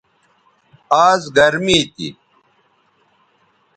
آز گرمی تھی